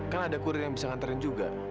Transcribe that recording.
kan ada kurir yang bisa ngantarin juga